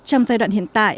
trong giai đoạn hiện tại